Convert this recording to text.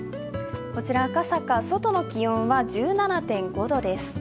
こちら赤坂、外の気温は１７．５度です